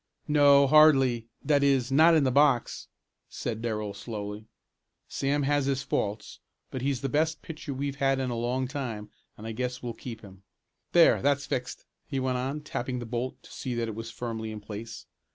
"No, hardly, that is, not in the box," said Darrell slowly. "Sam has his faults, but he's the best pitcher we've had in a long time and I guess we'll keep him. There, that's fixed," he went on, tapping the bolt to see that it was firmly in place.